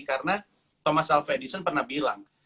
karena thomas alva edison pernah bilang